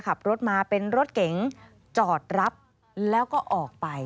ขับรถมาเป็นรถเก๋งจอดรับแล้วก็ออกไป